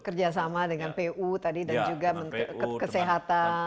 kerjasama dengan pu tadi dan juga kesehatan